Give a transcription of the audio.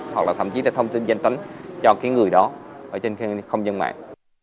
hoặc là thậm chí là thông tin danh tính cho cái người đó ở trên không gian mạng